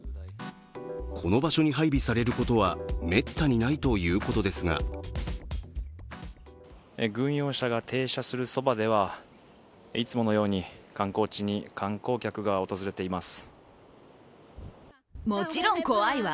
この場所に配備されることはめったにないということですが軍用車が停車するそばではいつものように観光地に観光客が訪れています。